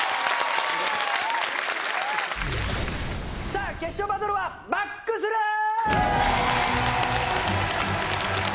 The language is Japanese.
さあ決勝バトルはパックスルー！